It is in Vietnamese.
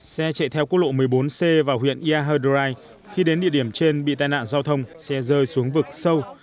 xe chạy theo cốt lộ một mươi bốn c vào huyện ia hờ đo rai khi đến địa điểm trên bị tai nạn giao thông xe rơi xuống vực sâu